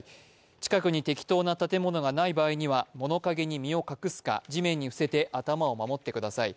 近くに適当な建物がない場合には物陰に身を隠すか地面に伏せて頭を守ってください。